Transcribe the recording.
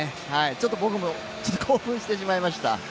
ちょっと僕も興奮してしまいました。